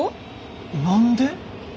何で？